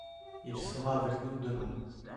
Il sera avec nous demain.